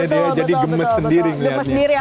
dia jadi gemes sendiri ngelihatnya